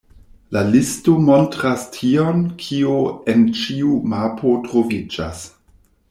La listo montras tion, kio en ĉiu mapo troviĝas.